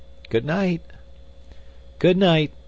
Good night!" "Good night!"